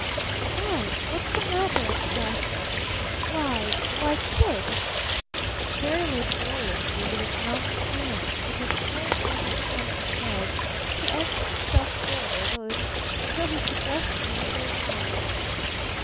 "Why what's the matter!" gasped Barton. "Why! Why Kid!" Very laboriously with his numbed hands, with his strange, unresponsive legs, he edged himself forward a little till he could just reach her shoulder.